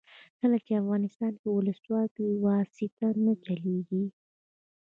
کله چې افغانستان کې ولسواکي وي واسطه نه چلیږي.